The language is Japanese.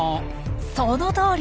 そのとおり。